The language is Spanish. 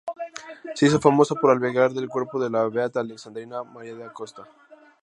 Se hizo famosa por albergar del cuerpo de la beata Alexandrina Maria da Costa.